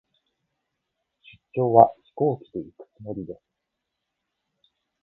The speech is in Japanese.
出張は、飛行機で行くつもりです。